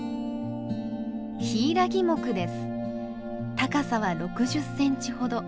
高さは６０センチほど。